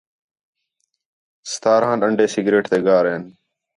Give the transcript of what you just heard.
ستارھاں ݙَنڈے سگریٹ تے گار ہِن